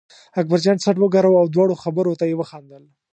اکبرجان څټ و ګراوه او د دواړو خبرو ته یې وخندل.